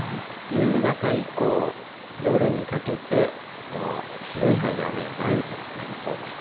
夕方以降、夜にかけて、もう広い範囲で雨や雷雨となりそうです。